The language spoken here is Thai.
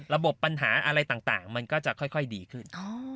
ระบบปัญหาอะไรต่างมันก็จะค่อยดีขึ้น